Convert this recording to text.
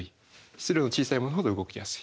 質量の小さいものほど動きやすい。